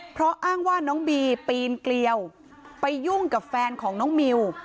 เพราะอ้างว่าน้องบีปีนเกลียวไปยุ่งกับแฟนของน้องมิว